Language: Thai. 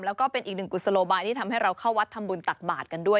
แล้วก็เป็นอีกหนึ่งกุศโลบายที่ทำให้เราเข้าวัดทำบุญตักบาทกันด้วย